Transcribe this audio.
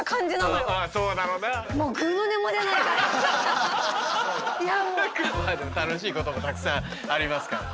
まあでも楽しいこともたくさんありますから。